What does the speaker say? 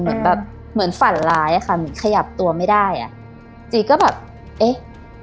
เหมือนแบบเหมือนฝันร้ายอะค่ะเหมือนขยับตัวไม่ได้อ่ะจีก็แบบเอ๊ะ